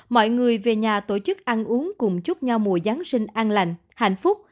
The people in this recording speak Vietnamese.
mọi người về nhà tổ chức ăn uống cùng chúc nhau mùa giáng sinh an lành hạnh phúc